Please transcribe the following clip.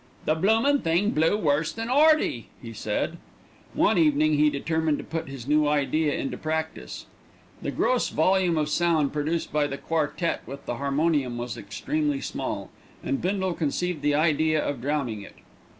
"The bloomin' thing blew worse than 'Earty," he said. One evening he determined to put his new idea into practice. The gross volume of sound produced by the quartette with the harmonium was extremely small, and Bindle conceived the idea of drowning it.